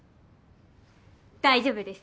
大丈夫です！